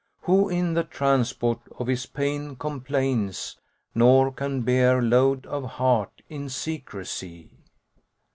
Who in the transport of his pain complains, * Nor can bear load of heart in secrecy?"